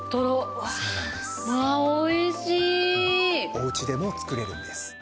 おうちでも作れるんです。